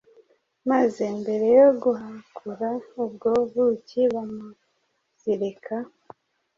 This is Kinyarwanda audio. maze mbere yo guhakura ubwo buki bamuzirika